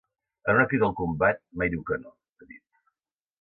En una crida al combat, mai diu que no, ha dit.